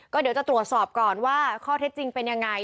ก็เดี๋ยวจะตรวจสอบก่อนว่าข้อเท็จจริงเป็นยังไง